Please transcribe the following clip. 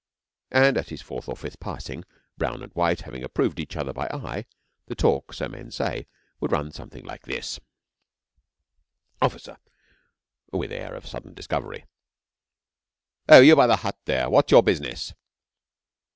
And at his fourth or fifth passing, brown and white having approved each other by eye, the talk so men say would run something like this: OFFICER (with air of sudden discovery). Oh, you by the hut, there, what is your business?